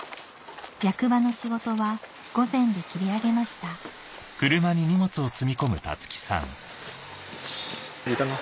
役場の仕事は午前で切り上げましたいいかな？